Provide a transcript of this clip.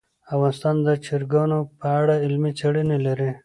افغانستان د چرګانو په اړه علمي څېړني لري.